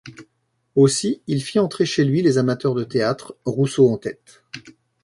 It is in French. Aussi, il fit entrer chez lui les amateurs de théâtre, Rousseau en tête.